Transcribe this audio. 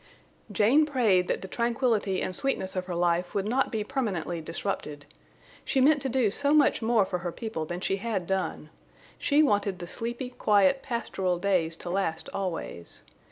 Jane prayed that the tranquillity and sweetness of her life would not be permanently disrupted. She meant to do so much more for her people than she had done. She wanted the sleepy quiet pastoral days to last always.